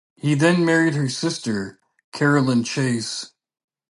He then married her sister, Caroline Chase.